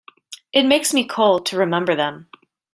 It makes me cold to remember them.